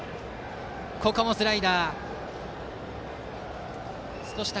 ここもスライダーでした。